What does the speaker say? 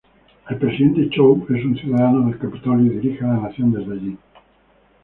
El Presidente Snow es un ciudadano del Capitolio y dirige la nación desde allí.